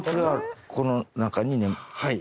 はい。